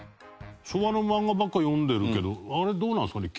昭和の漫画ばっか読んでるけどあれ、どうなんですかね？